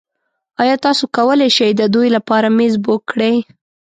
ایا تاسو کولی شئ د دوو لپاره میز بک کړئ؟